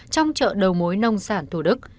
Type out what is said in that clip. trong chợ đầu mối nông sản thủ đức